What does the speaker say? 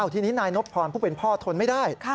ทีนี้นายนบพรผู้เป็นพ่อทนไม่ได้